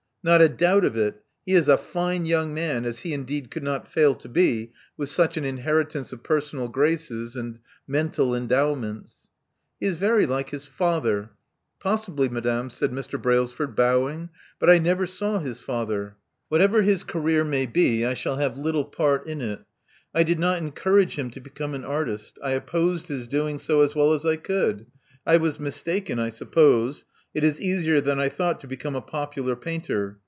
Not a doubt of it. He is a fine young man — as he indeed could not fail to be with such an inheritance of personal graces and mental endowments. *' He is very like his father." Possibly, madame," said Mr. Brailsford, bowing. •*But I never saw his father." Whatever his career may be, I shall have little part in it. I did not encourage him to become an artist. I opposed his doing so as well as I could. I was mis taken, I suppose: it is easier than I thought to become a popular painter.